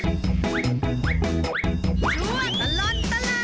ช่วงตลอดตลาด